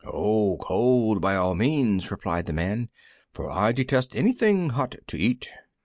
"Oh, cold, by all means," replied the Man, "for I detest anything hot to eat."